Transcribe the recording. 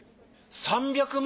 ３００万